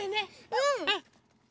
うん！